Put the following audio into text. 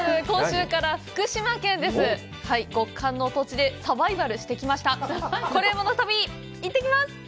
今週から福島県です。